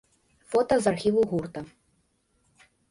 Фота з архіву гурта.